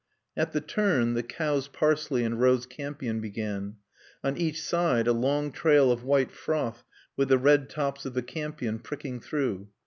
At the turn the cow's parsley and rose campion began; on each side a long trail of white froth with the red tops of the campion pricking through.